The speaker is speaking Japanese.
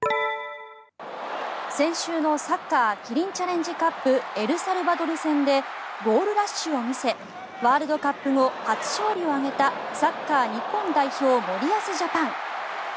先週のサッカーキリンチャレンジカップエルサルバドル戦でゴールラッシュを見せワールドカップ後初勝利を挙げたサッカー日本代表森保ジャパン。